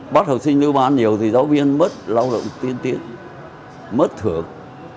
bắt học sinh lưu ban nhiều thì giáo viên mất lao động tiên tiến mất thưởng